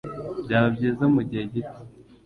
Byaba byiza mugihe gito